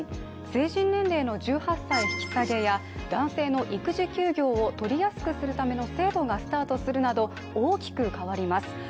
成人年齢の１８歳引き下げや男性の育児休業をとりやすくするための制度がスタートするなど、大きく変わります。